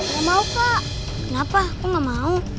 kenapa gue gak mau